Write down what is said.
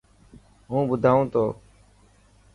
هون ٻڌائون تو.